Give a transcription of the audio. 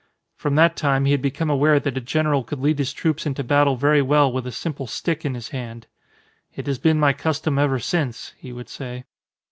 From that time he had become aware that a general could lead his troops into battle very well with a simple stick in his hand. "It has been my custom ever since," he would say.